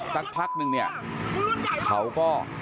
สักพักหนึ่งเขาก็